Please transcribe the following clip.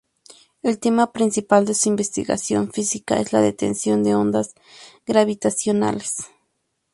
El tema principal de su investigación física es la detección de ondas gravitacionales.